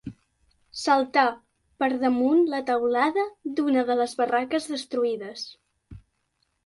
Saltà per damunt la teulada d'una de les barraques destruïdes